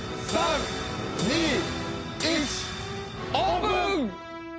オープン！